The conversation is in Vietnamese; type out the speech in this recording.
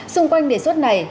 xung quanh đề xuất này